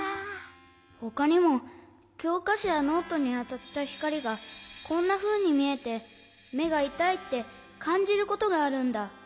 ほかにもきょうかしょやノートにあたったひかりがこんなふうにみえてめがいたいってかんじることがあるんだ。